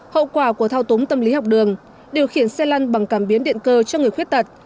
hậu quả của thao túng tâm lý học đường điều khiển xe lăn bằng cảm biến điện cơ cho người khuyết tật